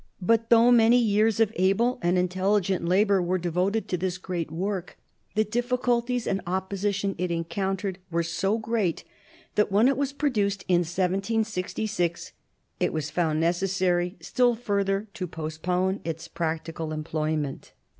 But though many years of able and intelligent labour were devoted to this great work, the difficulties and opposition it encountered were so great that when it was produced in 1766 it was found necessary still further to postpone its practical employment.